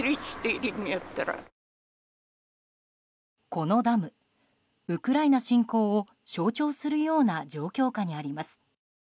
このダム、ウクライナ侵攻を象徴するような状況下にあります。